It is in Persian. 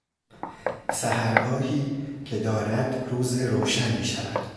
سحرگاهی که دارد روز روشن میشود